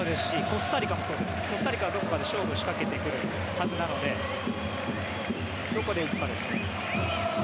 コスタリカはどこかで勝負を仕掛けてくるはずなのでどこで行くかです。